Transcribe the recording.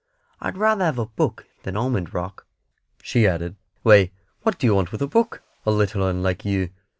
I'd rather have a book than almond rock," she added. "Why, what do you want with a book, a little 'un like you?"